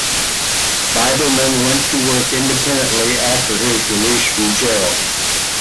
Biberman went to work independently after his release from jail.